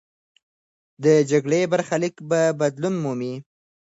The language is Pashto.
د جګړې برخلیک به بدلون مومي.